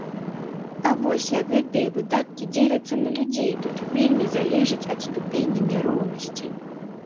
А вось як гэтыя выдаткі дзеляцца на людзей, тут вельмі залежыць ад ступені няроўнасці.